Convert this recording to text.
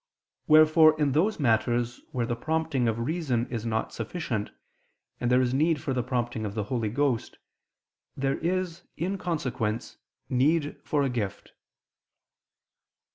Wherefore in those matters where the prompting of reason is not sufficient, and there is need for the prompting of the Holy Ghost, there is, in consequence, need for a gift.